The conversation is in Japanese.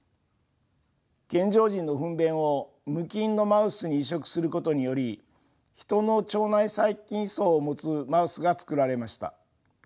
健常人のふん便を無菌のマウスに移植することによりヒトの腸内細菌そうを持つマウスが作られました。